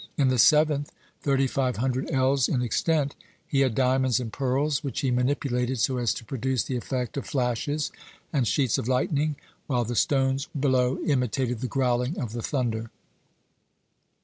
In the seventh, thirty five hundred ells in extent, he had diamonds and pearls, which he manipulated so as to produce the effect of flashes and sheets of lightening, while the stones below imitated the growling of the thunder.